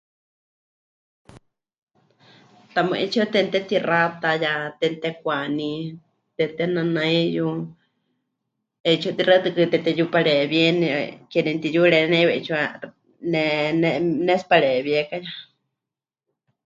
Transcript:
Tamɨ́ 'eetsiwa temɨtetixata ya temɨtekwaní, temɨtenanaíyu, 'eetsiwa tixaɨtɨkɨ temɨteyupareewíeni, ke nemɨtiyurieni heiwa 'eetsiwa, 'eh, ne... ne... mɨnetsipareewíeka ya.